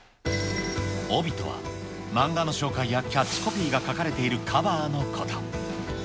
帯とは、漫画の紹介やキャッチコピーが書かれているカバーのこと。